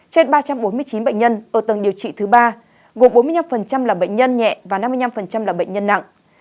trên ba trăm bốn mươi chín bệnh nhân ở tầng điều trị thứ ba gồm bốn mươi năm là bệnh nhân nhẹ và năm mươi năm là bệnh nhân nặng